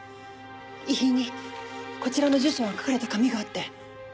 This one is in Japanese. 遺品にこちらの住所が書かれた紙があって。